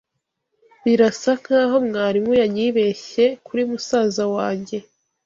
Birasa nkaho mwarimu yanyibeshye kuri musaza wanjye.